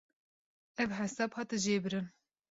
Ev hesab hate jêbirin.